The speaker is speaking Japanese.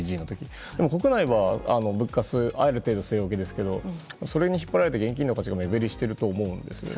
国内はある程度据え置きですけどそれに引っ張られて現金の価値が目減りしていると思うんですね。